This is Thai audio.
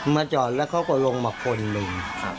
จอดแล้วเขาก็ลงมาคนหนึ่ง